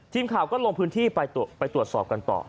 ทีมข่าวก็ลงพื้นที่ไปตรวจสอบกันต่อ